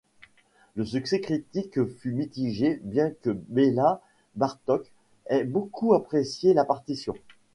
Le succès critique fut mitigé bien que Béla Bartók ait beaucoup apprécié la partition.